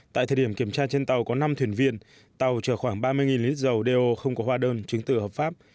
tại thời điểm kiểm tra trên tàu có năm thuyền viên tàu chở khoảng ba mươi lít dầu đeo không có hóa đơn chứng tử hợp pháp